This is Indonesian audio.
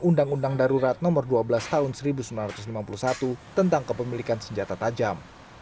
undang undang darurat nomor dua belas tahun seribu sembilan ratus lima puluh satu tentang kepemilikan senjata tajam